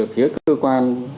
phía cơ quan